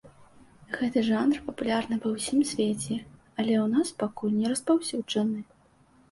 Гэты жанр папулярны ва ўсім свеце, але ў нас пакуль не распаўсюджаны.